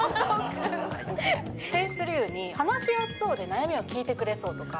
選出理由に、話しやすそうで悩みを聞いてくれそうとか。